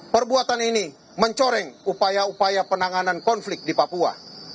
perbuatan ini mencoreng upaya upaya penanganan konflik di papua